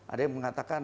ada yang mengatakan